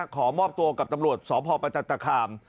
ขอมอบตัวกับตำรวจสพประจันตคาม